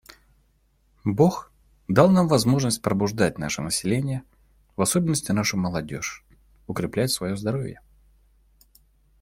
Бог дал нам возможность побуждать наше население, в особенности нашу молодежь, укреплять свое здоровье.